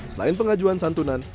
selain pengajuan santunan